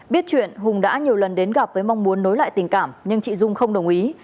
biết chuyện hùng đã nhiều lần đến gặp với mong muốn nối lại tình cảm nhưng chị dung không đồng ý